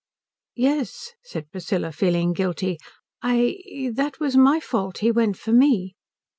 "Yes," said Priscilla, feeling guilty, "I that was my fault. He went for me."